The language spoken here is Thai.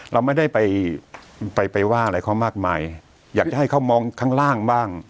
เราไม่ได้ไปไปว่าอะไรเขามากมายอยากจะให้เขามองข้างล่างบ้าง